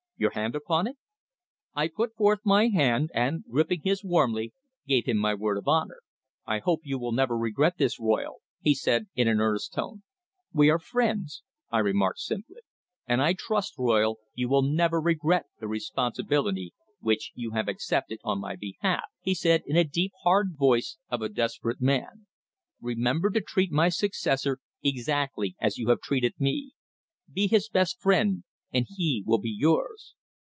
"Your hand upon it?" I put forth my hand and, gripping his warmly, gave him my word of honour. "I hope you will never regret this, Royle," he said in an earnest tone. "We are friends," I remarked simply. "And I trust, Royle, you will never regret the responsibility which you have accepted on my behalf," he said in a deep, hard voice the voice of a desperate man. "Remember to treat my successor exactly as you have treated me. Be his best friend, as he will be yours.